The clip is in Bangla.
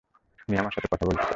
উনি আমার সাথে কথা বলতে চায়?